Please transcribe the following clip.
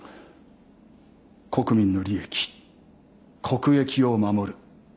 国民の利益国益を守る。